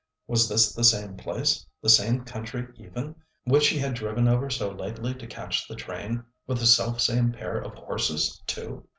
Was this the same place—the same country even, which he had driven over so lately to catch the train, with the self same pair of horses too?